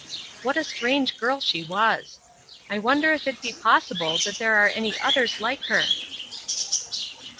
What a strange girl she was! I wonder if it be possible that there are any others like her?